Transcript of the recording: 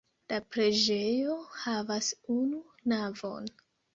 La preĝejo havas unu navon.